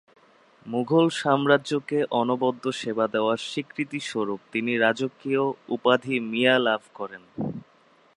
মুঘল সাম্রাজ্যকে অনবদ্য সেবা দেয়ার স্বীকৃতিস্বরূপ তিনি রাজকীয় উপাধি ‘মিয়া’ লাভ করেন।